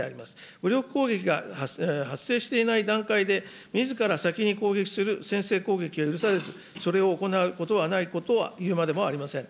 武力攻撃が発生していない段階で、みずから先に攻撃する先制攻撃は許されず、それを行うことはないことは言うまでもありません。